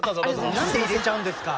何で入れちゃうんですか。